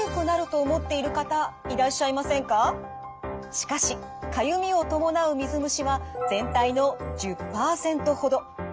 しかしかゆみを伴う水虫は全体の１０％ほど。